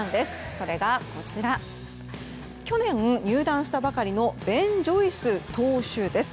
それが、去年入団したばかりのベン・ジョイス投手です。